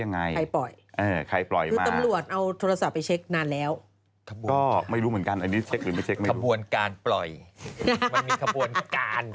ในมุมเขาจะแก้ต่างของตัวนี้นั่น